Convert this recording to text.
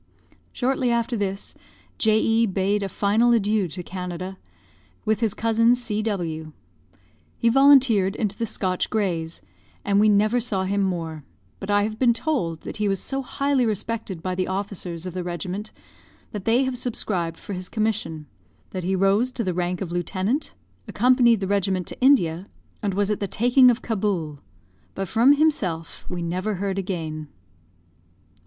Shortly after this, J. E bade a final adieu to Canada, with his cousin C. W . He volunteered into the Scotch Greys, and we never saw him more; but I have been told that he was so highly respected by the officers of the regiment that they have subscribed for his commission; that he rose to the rank of lieutenant; accompanied the regiment to India, and was at the taking of Cabul; but from himself we never heard again.